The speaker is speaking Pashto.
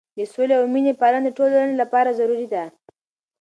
د سولې او مینې پالنه د ټولنې لپاره ضروري ده.